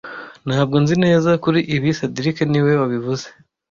Ntabwo nzi neza kuri ibi cedric niwe wabivuze